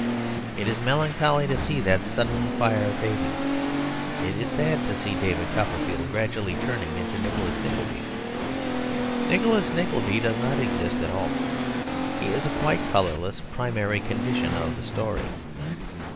It is melancholy to see that sudden fire fading. It is sad to see David Copperfield gradually turning into Nicholas Nickleby. Nicholas Nickleby does not exist at all; he is a quite colourless primary condition of the story.